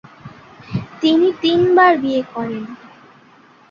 তিনি তিনবার বিয়ে করেন।